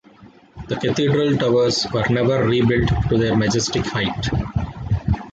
The cathedral towers were never rebuilt to their majestic height.